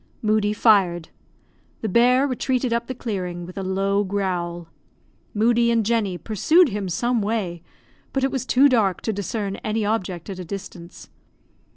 Moodie fired. The bear retreated up the clearing, with a low growl. Moodie and Jenny pursued him some way, but it was too dark to discern any object at a distance.